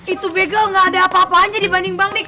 itu bagel gak ada apa apa aja dibanding bang nik